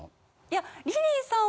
いや。